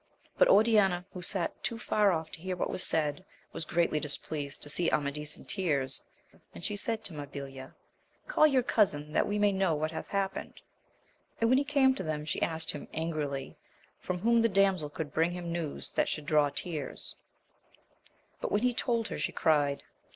But Oriana, who sate too far off to hear what was said, was greatly displeased to see Amadis in tears, and she said to Mabilia, Call your cousin that we may know what hath happened; and when he came to them, she asked him, angrily, from whom the damsel could bring him news that should draw tears 1 But when he told her, she cried.